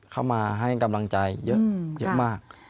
เข้ามาให้กำลังใจเยอะมาก